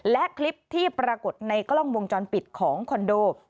และคลิปที่ปรากฏในกล้องวงจรปิดของคอนโด